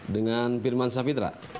dengan firman safitra